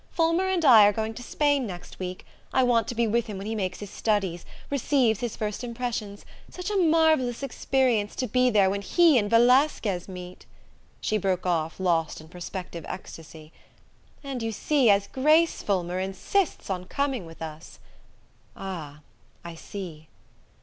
Fulmer and I are going to Spain next week I want to be with him when he makes his studies, receives his first impressions; such a marvellous experience, to be there when he and Velasquez meet!" She broke off, lost in prospective ecstasy. "And, you see, as Grace Fulmer insists on coming with us " "Ah, I see."